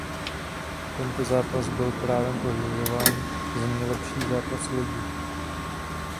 Tento zápas byl právem považován za nejlepší zápas ligy.